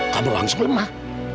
kamu langsung lemah